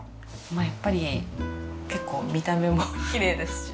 まあやっぱり結構見た目もきれいですし